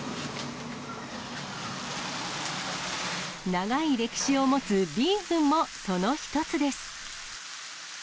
長い歴史を持つビーフンも、その一つです。